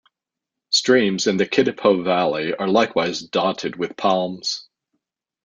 Streams in the Kidepo Valley are likewise dotted with palms.